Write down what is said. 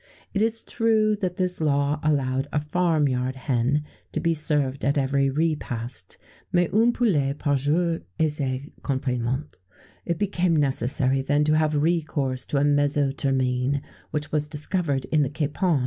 It is true that this law allowed a farm yard hen to be served at every repast[XVII 25] mais une poule par jour est ce contentement? It became necessary, then, to have recourse to a mezzo termine, which was discovered in the capon.